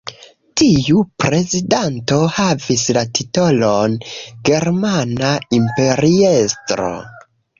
Tiu prezidanto havis la titolon Germana Imperiestro.